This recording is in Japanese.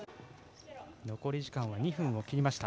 残り時間は２分を切りました。